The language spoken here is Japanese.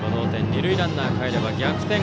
二塁ランナーかえれば逆転